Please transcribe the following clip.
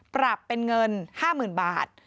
ปรับเป็นเงิน๕๐๐๐บาท